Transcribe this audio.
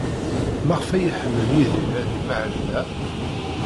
Maɣef ay iḥemmel Yidir ad imahel da?